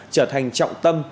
trở thành trọng tâm